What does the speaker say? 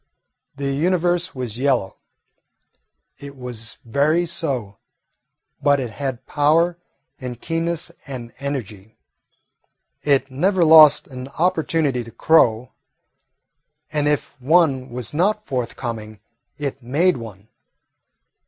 The Universe was yellow. It was very so. But it had power and keenness and energy. It never lost an opportunity to crow, and if one was not forthcoming, it made one.